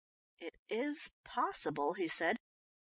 "It is possible," he said.